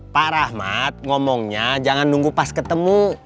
pak rahmat ngomongnya jangan nunggu pas ketemu